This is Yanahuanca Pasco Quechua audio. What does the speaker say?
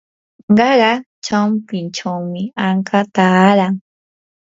qaqa chawpinchawmi anka taaran.